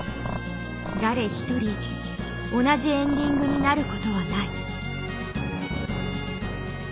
誰一人同じエンディングになることはない。